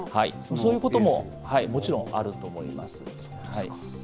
そういうことももちろんあると思います。